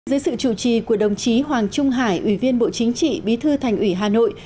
dưới sự chủ trì của đồng chí hoàng trung hải ủy viên bộ chính trị bí thư thành ủy hà nội